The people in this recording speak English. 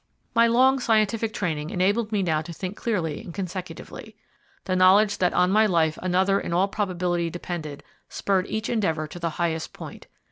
My long scientific training enabled me now to think clearly and consecutively. The knowledge that on my life another in all probability depended spurred each endeavour to the highest point.